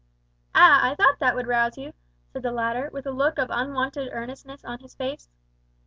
"Ah, I thought that would rouse you," said the latter, with a look of unwonted earnestness on his face.